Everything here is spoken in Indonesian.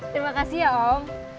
terima kasih ya om